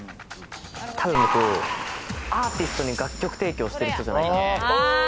多分、僕、アーティストに楽曲提供してる人じゃないかなと。